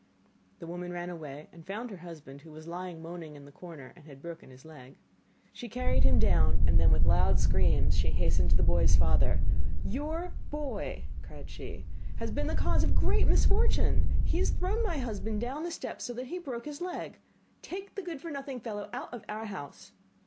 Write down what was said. The woman ran away and found her husband, who was lying moaning in the corner, and had broken his leg. She carried him down, and then with loud screams she hastened to the boy's father, 'Your boy,' cried she, 'has been the cause of a great misfortune! He has thrown my husband down the steps so that he broke his leg. Take the good for nothing fellow out of our house.